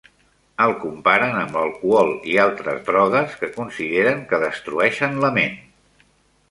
El comparen amb l'alcohol i altres drogues, que consideren que destrueixen la ment.